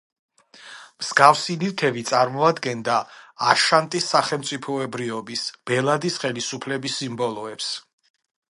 მსგავსი ნივთები წარმოადგენდა აშანტის სახელმწიფოებრიობის, ბელადის ხელისუფლების სიმბოლოებს.